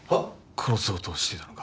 殺そうとしてたのか？